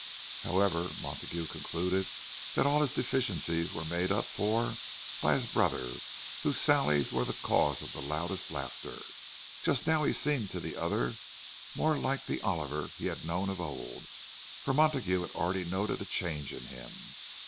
However, Montague concluded that all his deficiencies were made up for by his brother, whose sallies were the cause of the loudest laughter. Just now he seemed to the other more like the Oliver he had known of old—for Montague had already noted a change in him.